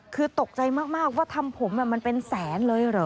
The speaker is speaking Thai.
คือตกใจมากว่าทำผมมันเป็นแสนเลยเหรอ